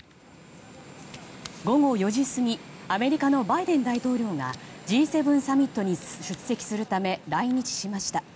午後４時過ぎアメリカのバイデン大統領がＧ７サミットに出席するため来日しました。